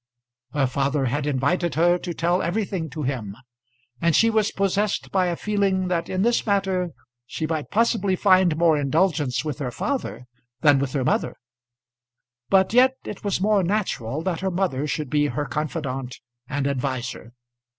Her father had invited her to tell everything to him, and she was possessed by a feeling that in this matter she might possibly find more indulgence with her father than with her mother; but yet it was more natural that her mother should be her confidante and adviser.